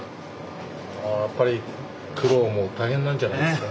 やっぱり苦労も大変なんじゃないですか？